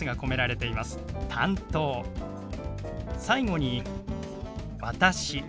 最後に「私」。